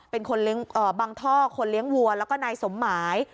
เป็นคนบังท่อคนเลี้ยงวัวแล้วก็นายสมหมาย